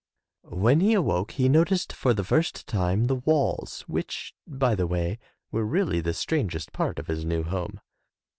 When he awoke he noticed for the first time the walls which, by the way, were really the strangest part of his new home.